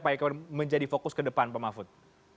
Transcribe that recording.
pak eko menjadi fokus ke depan pak mahfud